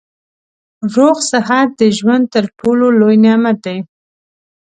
روغ صحت د ژوند تر ټولو لوی نعمت دی